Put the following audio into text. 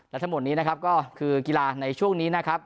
และทั้งหมดนี้นะครับก็คือกีฬาในช่วงนี้นะครับ